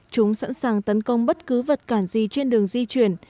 chúng sẵn sàng tấn công bất cứ vật cản gì trên đường di chuyển